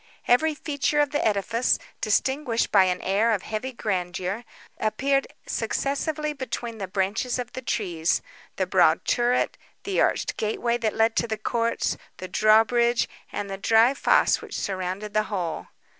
Every feature of the edifice, distinguished by an air of heavy grandeur, appeared successively between the branches of the trees—the broad turret, the arched gateway that led into the courts, the drawbridge, and the dry fossé which surrounded the whole.